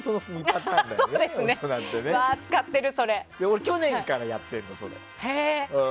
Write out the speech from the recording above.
俺、去年からやってるの。